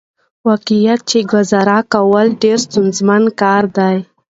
واقعيت چې ګزاره کول ډېره ستونزمن کار دى .